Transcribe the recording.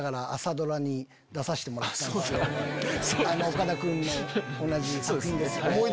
岡田君も同じ作品で。